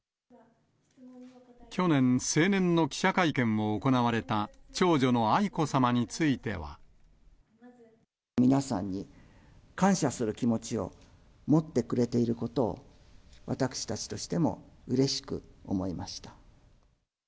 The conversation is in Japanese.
去年、成年の記者会見を行われた長女の愛子さまについては。皆さんに感謝する気持ちを持ってくれていることを、私たちとしてもうれしく思いました。